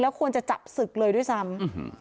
ควรจะจับศึกเลยด้วยซ้ำ